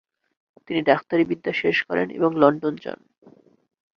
তিনি ডাক্তারি বিদ্যা শেষ করেন এবং লন্ডন যান।